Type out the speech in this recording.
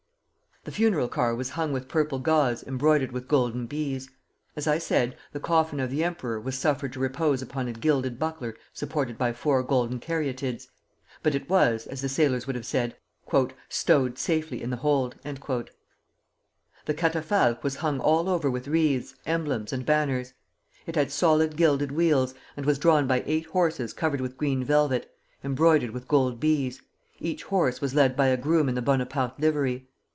The funeral car was hung with purple gauze embroidered with golden bees. As I said, the coffin of the Emperor was suffered to repose upon a gilded buckler supported by four golden caryatides; but it was, as the sailors would have said, "stowed safely in the hold." The catafalque was hung all over with wreaths, emblems, and banners. It had solid gilded wheels, and was drawn by eight horses covered with green velvet, embroidered with gold bees; each horse was led by a groom in the Bonaparte livery.